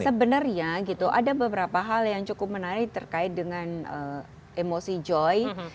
sebenarnya gitu ada beberapa hal yang cukup menarik terkait dengan emosi joy